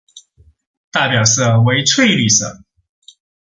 代表色为翠绿色。